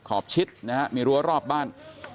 ขอบชิดมีรั้วรอบบ้าน